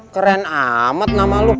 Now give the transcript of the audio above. keren amat nama lo